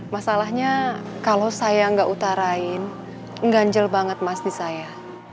masalahnya kalau saya nggak utarain ganjel banget mas di saya